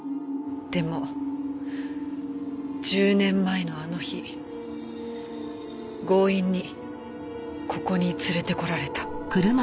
でも１０年前のあの日強引にここに連れてこられた。